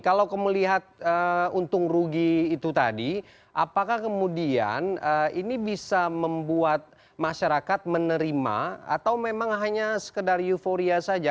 kalau kamu melihat untung rugi itu tadi apakah kemudian ini bisa membuat masyarakat menerima atau memang hanya sekedar euforia saja